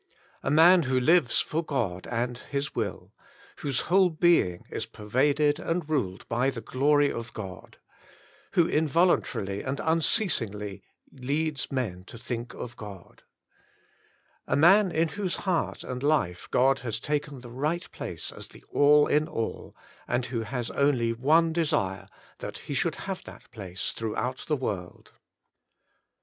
A man who lives for God and His will; whose whole being is pervaded and ruled by the glory of God; who involuntarily and unceasingly leads men to think of God. A man in whose heart and life God has taken the right place as the All in All, and who has only one desire, that He should have that place throughout the world.